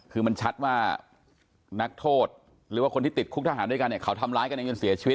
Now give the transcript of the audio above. คือมันชัดว่านักโทษหรือว่าคนที่ติดคุกทหารด้วยกันเนี่ยเขาทำร้ายกันในเงินเสียชีวิต